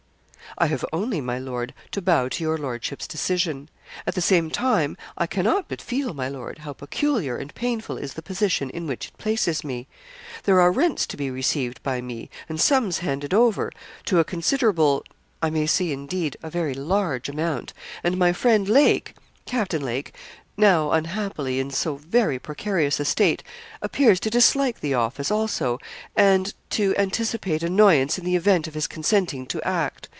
'I have only, my lord, to bow to your lordship's decision; at the same time I cannot but feel, my lord, how peculiar and painful is the position in which it places me. There are rents to be received by me, and sums handed over, to a considerable I may say, indeed, a very large amount: and my friend Lake Captain Lake now, unhappily, in so very precarious a state, appears to dislike the office, also, and to anticipate annoyance, in the event of his consenting to act.